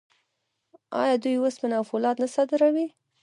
آیا دوی وسپنه او فولاد نه صادروي؟